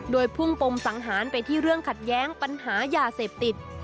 โดยพุ่งปมสังหารไปที่เรื่องขัดแย้งปัญหายาเสพติด